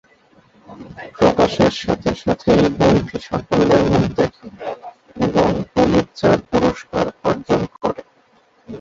প্রকাশের সাথে সাথেই বইটি সাফল্যের মুখ দেখে এবং পুলিৎজার পুরস্কার অর্জন করে।